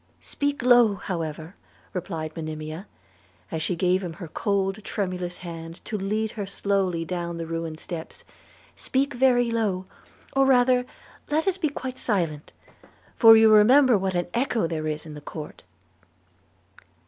'Speak low, however,' replied Monimia, as she gave him her cold tremulous hand to lead her slowly down the ruined steps; 'speak very low; or rather let us be quite silent, for you remember what an echo there is in the court.'